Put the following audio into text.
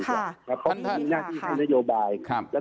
เพราะมีหน้าที่คุณนโยบาย